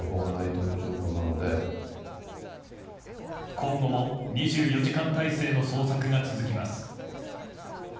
今後も２４時間態勢の捜索が続きます。